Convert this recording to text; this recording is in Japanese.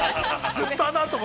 ずっと、あのあとも。